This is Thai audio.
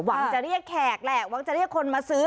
หวังจะเรียกแขกแหละหวังจะเรียกคนมาซื้อ